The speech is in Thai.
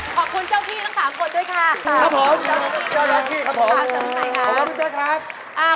ขอบคุณเจ้าพี่ทั้ง๓คนด้วยค่ะจ้าโนกี้ครับค่ะสำคัญครับขอบคุณแพทย์ครับ